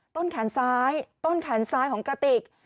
ต้นแขนซ้ายต้นแขนซ้ายของกระติก